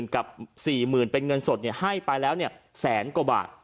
กับ๔หมื่นเป็นเงินสดให้ไปแล้วเนี่ยแสนกว่าบาท